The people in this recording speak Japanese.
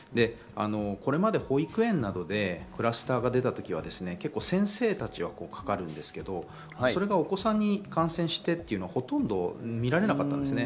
これまで保育園などでクラスターが出たときは先生たちがかかるんですがそれがお子さんに感染してというのはほとんど見られなかったんですね。